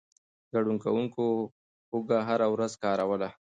ګډون کوونکو هوږه هره ورځ کاروله.